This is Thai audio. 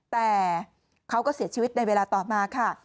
แต่เขาก็เสียชีวิตในเวลาต่อมาค่ะ